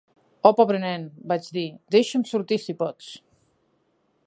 "Oh, pobre nen", vaig dir; "deixa'm sortir, si pots!".